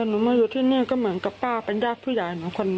หนูมาอยู่ที่นี่ก็เหมือนกับป้าเป็นญาติผู้ใหญ่หนูคนหนึ่ง